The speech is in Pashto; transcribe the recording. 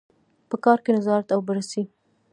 په کار کې نظارت او بررسي.